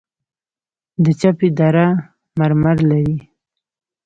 د چپه دره مرمر لري